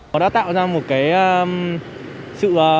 nó đã tạo ra một cái sự